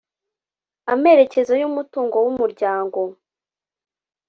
amerekezo y umutungo w umuryango